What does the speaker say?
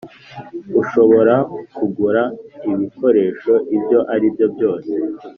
Ushobora kugura ibikoresho ibyo aribyo byose